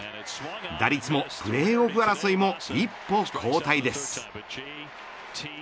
打率もプレーオフ争いも一歩後退です。